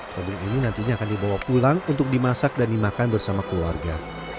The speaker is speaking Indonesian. produk ini nantinya akan dibawa pulang untuk dimasak dan dimakan bersama keluarga